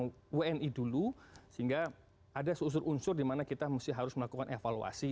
untuk wni dulu sehingga ada unsur unsur di mana kita harus melakukan evaluasi